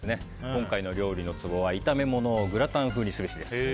今回の料理のツボは炒め物をグラタン風にすべしです。